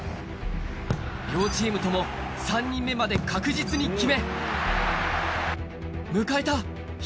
両チームとも３人目まで確実に決め。